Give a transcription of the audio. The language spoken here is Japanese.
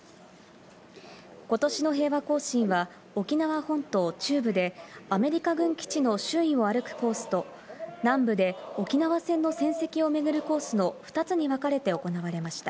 今年の平和行進は沖縄本島中部でアメリカ軍基地の周囲を歩くコースと、南部で沖縄戦の戦跡を巡るコースの２つにわかれて行われました。